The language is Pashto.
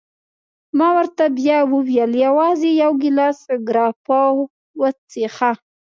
ما ورته بیا وویل: یوازي یو ګیلاس ګراپا وڅېښه.